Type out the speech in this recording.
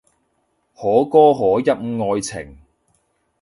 可歌可泣愛情